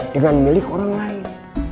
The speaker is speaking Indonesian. dengan milik orang lain